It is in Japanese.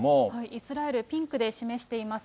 イスラエル、ピンクで示しています。